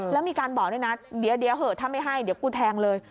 แล้วมีการบอกด้วยนะเดี๋ยวเหอะถ้าไม่ให้เดี๋ยวกูแทงเลย